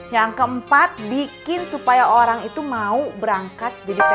yang keempat bikin supaya orang itu mau berangkat